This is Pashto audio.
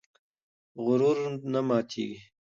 غرور نه ماتېږي.